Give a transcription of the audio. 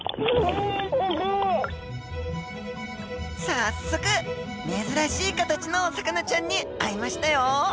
早速珍しい形のお魚ちゃんに会えましたよ。